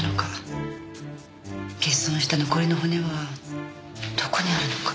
欠損した残りの骨はどこにあるのか。